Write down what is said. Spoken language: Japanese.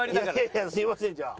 いやすいませんじゃあ。